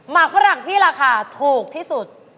มากกว่าหลังที่ราคาถูกที่สุด